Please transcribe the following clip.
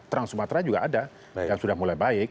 trans sumatera juga ada yang sudah mulai baik